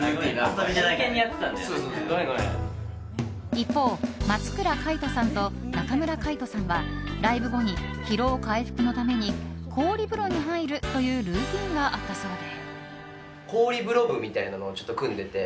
一方、松倉海斗さんと中村海人さんはライブ後に疲労回復のために氷風呂に入るというルーティンがあったそうで。